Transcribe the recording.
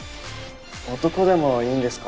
男でもいいんですか？